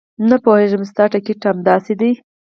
نه پوهېږم ستا ټیکټ همداسې دی.